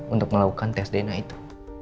untuk melakukan tes dna itu